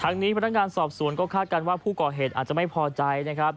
นี้พนักงานสอบสวนก็คาดการณ์ว่าผู้ก่อเหตุอาจจะไม่พอใจนะครับ